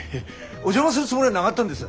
お邪魔するつもりはながったんです。